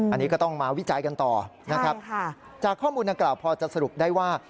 อันนี้ก็ต้องมาวิจัยกันต่อนะครับจากข้อมูลดังกล่าวพอจะสรุปได้ว่า